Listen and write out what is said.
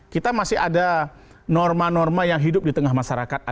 kita masih ada norma norma yang hidup di tengah masyarakat